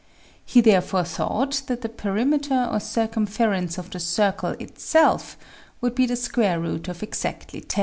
He therefore thought that the perimeter or circumference of the circle itself would be the square root of exactly 10.